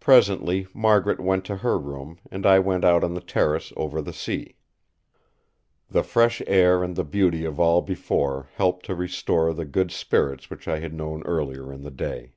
Presently Margaret went to her room, and I went out on the terrace over the sea. The fresh air and the beauty of all before helped to restore the good spirits which I had known earlier in the day.